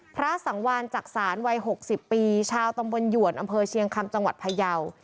พระสังวานจักษานวัย๖๐ปีชาวตำบลหยวนอำเภอเชียงคำจังหวัดพยาว